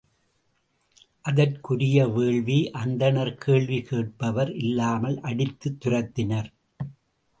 அதற்கு உரிய வேள்வி அந்தணர் கேள்வி கேட்பவர் இல்லாமல் அடித்துத் துரத்தினர்.